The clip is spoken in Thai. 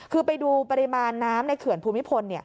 คือไปดูปริมาณน้ำในเขื่อนภูมิพล